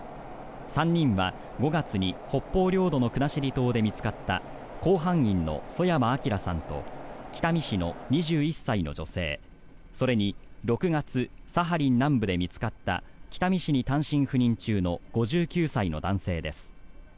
３人は５月に北方領土の国後島で見つかった甲板員の曽山聖さんと北見市の２１歳の女性それに、６月サハリン南部で見つかった北見市に単身赴任中の５９歳の男性です。